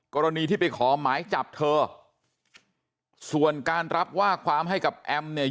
กรณีที่ไปขอหมายจับเธอส่วนการรับว่าความให้กับแอมเนี่ย